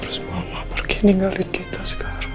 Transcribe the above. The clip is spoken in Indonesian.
terus mama pergi ninggalin kita sekarang